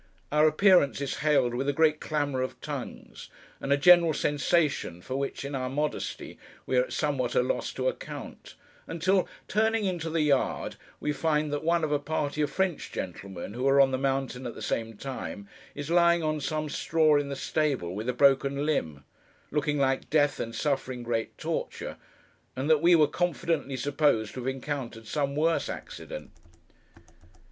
Our appearance is hailed with a great clamour of tongues, and a general sensation for which in our modesty we are somewhat at a loss to account, until, turning into the yard, we find that one of a party of French gentlemen who were on the mountain at the same time is lying on some straw in the stable, with a broken limb: looking like Death, and suffering great torture; and that we were confidently supposed to have encountered some worse accident.